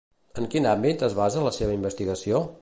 En quin àmbit es basa la seva investigació?